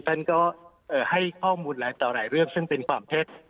ท่านก็ให้ข้อมูลหลายเรื่องซึ่งเป็นความเจ็ด